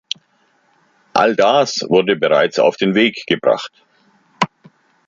All das wurde bereits auf den Weg gebracht.